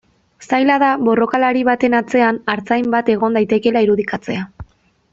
Zaila da borrokalari baten atzean artzain bat egon daitekeela irudikatzea.